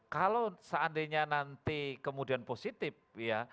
kalau seandainya nanti kemudian positif ya